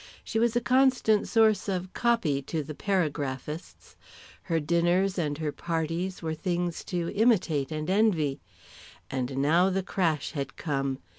She was a constant source of "copy" to the paragraphists; her dinners and her parties were things to imitate and envy. And now the crash had come.